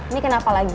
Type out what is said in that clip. ini kenapa lagi